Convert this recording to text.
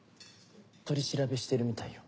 取り調べしてるみたいよ。